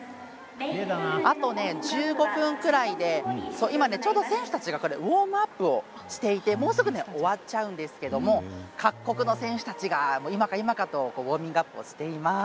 あと１５分くらいでちょうど選手たちがウォームアップをしていてもうすぐ終わっちゃうんですけれども各国の選手たちが今か今かとウォーミングアップをしています。